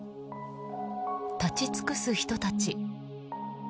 立ち尽くす人たち。